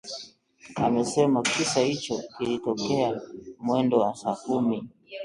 amesema kisa hicho kilitokea mwendo wa saa kumi